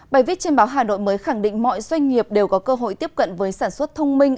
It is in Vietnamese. bài viết trên báo hà nội mới khẳng định mọi doanh nghiệp đều có cơ hội tiếp cận với sản xuất thông minh